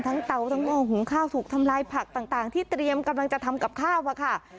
เตาทั้งห้อหุงข้าวถูกทำลายผักต่างที่เตรียมกำลังจะทำกับข้าวอะค่ะ